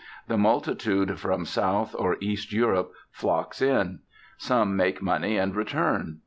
The multitude from South or East Europe flocks in. Some make money and return.